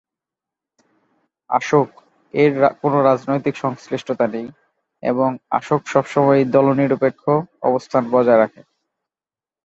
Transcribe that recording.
আসক-এর কোনো রাজনৈতিক সংশ্লিষ্টতা নেই এবং আসক সবসময় দলনিরপেক্ষ অবস্থান বজায় রাখে।